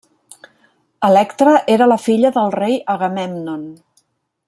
Electra era la filla del rei Agamèmnon.